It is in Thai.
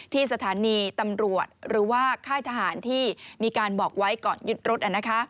ที่สถานีตำรวจหรือว่าค่ายทหารที่มีการบอกไว้ก่อนยึดรถ